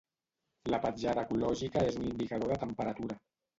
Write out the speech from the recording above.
La petjada ecològica és un indicador de temperatura.